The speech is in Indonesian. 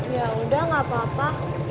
ya udah gak apa apa